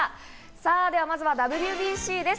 さぁでは、まずはＷＢＣです。